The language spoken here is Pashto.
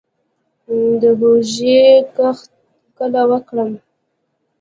د هوږې کښت کله وکړم؟